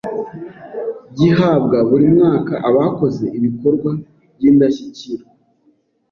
gihabwa buri mwaka abakoze ibikorwa by’indashyikirwa